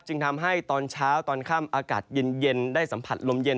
จึงทำให้ตอนเช้าตอนค่ำอากาศเย็นได้สัมผัสลมเย็น